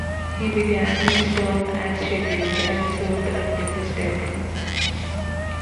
He began his term as scheduled, and served until his death.